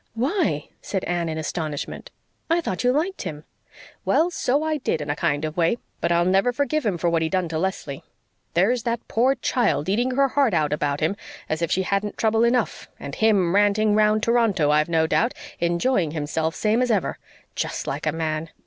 "Why?" said Anne, in astonishment. "I thought you liked him." "Well, so I did, in a kind of way. But I'll never forgive him for what he done to Leslie. There's that poor child eating her heart out about him as if she hadn't had trouble enough and him ranting round Toronto, I've no doubt, enjoying himself same as ever. Just like a man."